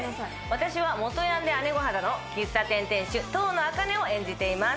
私は元ヤンで姉御肌の喫茶店店主・橙野茜を演じています。